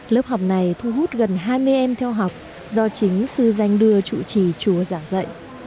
lớp học này thu hút gần hai mươi em theo học do chính sư danh đưa chủ trì chùa giảng dạy